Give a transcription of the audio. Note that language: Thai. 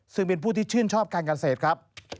ซึ่งเป็นผู้ที่ชื่นชอบการเกษตรครับ